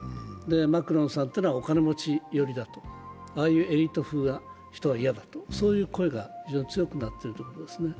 マクロンさんというのはお金持ち寄りだと、ああいうエリート風な人は嫌だという声が非常に強くなっているということですね。